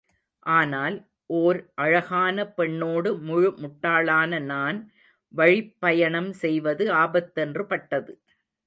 ஆனால், ஓர் அழகான பெண்ணோடு முழு முட்டாளான நான் வழிப் பயணம் செய்வது ஆபத்தென்று பட்டது.